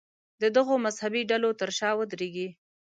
د دغو مذهبي ډلو تر شا ودرېږي.